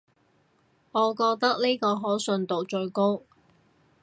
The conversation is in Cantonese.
我覺得呢個可信度最高